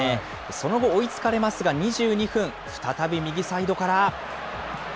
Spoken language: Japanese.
その後、追いつかれますが、２２分、再び右サイドから。